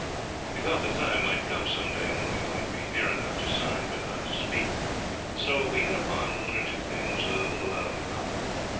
We thought the time might come some day when we might be near enough to sign, but not to speak. So we hit upon one or two things a little out of the common.